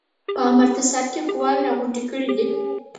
په امرتسر کې قواوي را غونډي کړي دي.